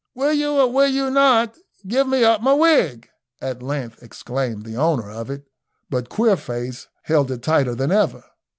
"Will you or will you not give me up my wig?" at length exclaimed the owner of it but Queerface held it tighter than ever.